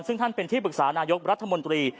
ซึ่งท่านเป็นที่ปรึกษานายกรัฐมนตรี